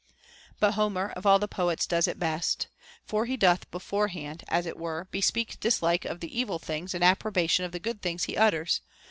But Homer of all the poets does it best. For he doth beforehand, as it were, bespeak dislike of the evil things and approbation of the good things he utters.